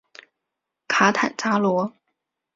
卡坦扎罗。